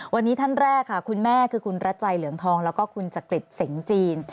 วันนี้ท่านแรกค่ะคุณแม่คือคุณรัชัยเหลืองทองแล้วก็คุณจักริจเสงจีน